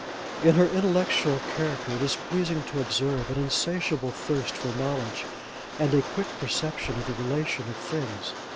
'In her intellectual character it is pleasing to observe an insatiable thirst for knowledge, and a quick perception of the relations of things.